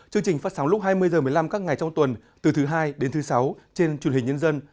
chương trình phát sóng lúc hai mươi h một mươi năm các ngày trong tuần từ thứ hai đến thứ sáu trên truyền hình nhân dân